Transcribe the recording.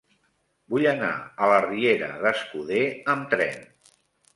Vull anar a la riera d'Escuder amb tren.